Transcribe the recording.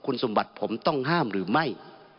คุณสมบัติผมต้องห้ามหรือไม่